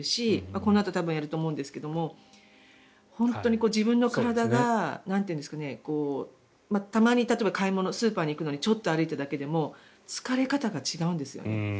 このあとやると思いますが本当に自分の体がたまに例えば買い物スーパーに行くのにちょっと歩いただけでも疲れ方が違うんですよ。